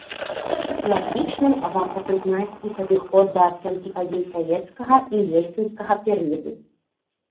Класічным варта прызнаць і падыход да ацэнкі падзей савецкага і ельцынскага перыяду.